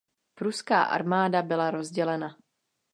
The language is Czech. Pruská armáda byla rozdělena.